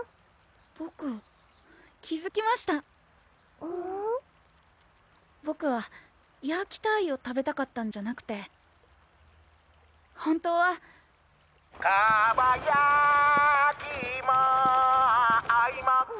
ボク気づきましたボクはヤーキターイを食べたかったんじゃなくて本当は・「カバやきいもおいも」